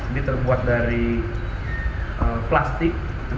ini terbuat dari plastik